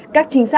các trinh sát